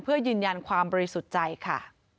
เพื่อยืนยันความบริสุทธิ์ใจค่ะ